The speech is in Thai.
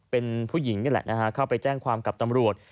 เป็นผู้หญิงนี่แหละนะฮะเข้าไปแจ้งความกับตำรวจ